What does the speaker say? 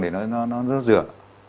để nó rửa